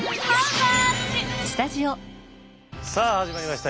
さあ始まりました。